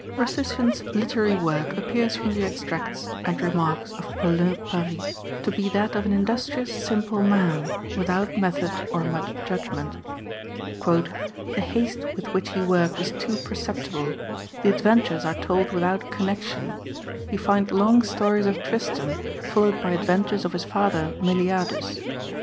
* 40. Rustician's hterary work appears from the extracts and remarks of PauHn Paris to be that of an industrious simple Character of man, witliout metliod or much judgment. "The haste Roman^^ witli which hc worked is too perceptible; the adven tk)nf.'^' tures are told without connection ; you find long stories of Tristan followed by adventures of his father Meliadus."